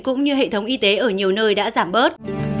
cũng như hệ thống y tế ở nhiều nơi đã giảm bớt